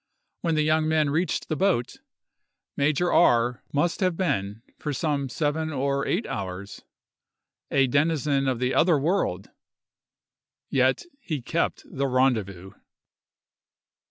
When the young men reached the boat, Major R—— must have been, for some seven or eight hours, a denizen of the other world, yet he kept the rendezvous!